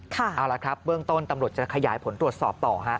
เอาละครับเบื้องต้นตำรวจจะขยายผลตรวจสอบต่อฮะ